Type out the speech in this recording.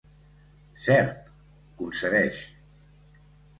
Cert —concedeix—.